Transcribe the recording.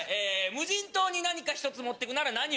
無人島に何か一つ持ってくなら何を持ってく？